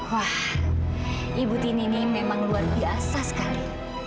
wah ibu tini ini memang luar biasa sekali